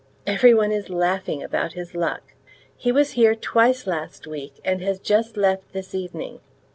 Every one is laughing about his luck. He was here twice last week, and has just left this evening.